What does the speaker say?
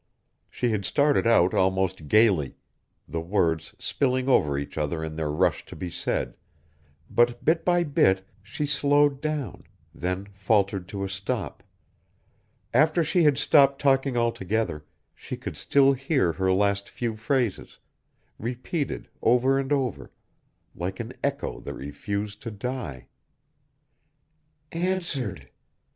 She had started out almost gaily, the words spilling over each other in their rush to be said, but bit by bit she slowed down, then faltered to a stop. After she had stopped talking altogether, she could still hear her last few phrases, repeated over and over, like an echo that refused to die. (Answered